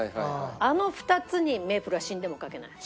あの２つにメイプルは死んでもかけない。